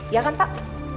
ya kan pak